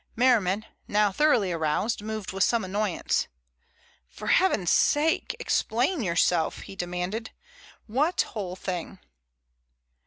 Merriman, now thoroughly aroused, moved with some annoyance. "For Heaven's sake, explain yourself," he demanded. "What whole thing?"